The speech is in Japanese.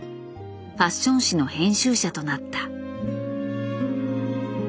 ファッション誌の編集者となった。